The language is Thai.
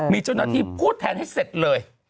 มีเจ้าหน้าที่พูดแทนให้เสร็จเลย